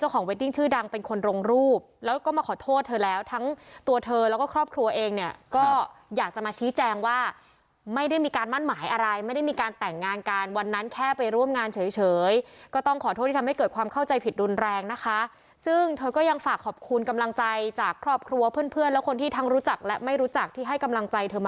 เวดดิ้งชื่อดังเป็นคนลงรูปแล้วก็มาขอโทษเธอแล้วทั้งตัวเธอแล้วก็ครอบครัวเองเนี่ยก็อยากจะมาชี้แจงว่าไม่ได้มีการมั่นหมายอะไรไม่ได้มีการแต่งงานกันวันนั้นแค่ไปร่วมงานเฉยก็ต้องขอโทษที่ทำให้เกิดความเข้าใจผิดรุนแรงนะคะซึ่งเธอก็ยังฝากขอบคุณกำลังใจจากครอบครัวเพื่อนเพื่อนและคนที่ทั้งรู้จักและไม่รู้จักที่ให้กำลังใจเธอมา